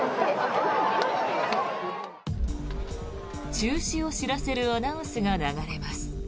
中止を知らせるアナウンスが流れます。